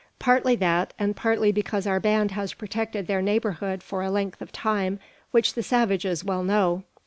Partly that, and partly because our band has protected their neighbourhood for a length of time, which the savages well know.